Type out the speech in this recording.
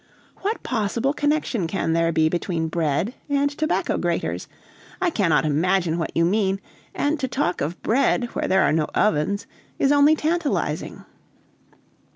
"What possible connection can there be between bread and tobacco graters? I cannot imagine what you mean, and to talk of bread where there are no ovens is only tantalizing."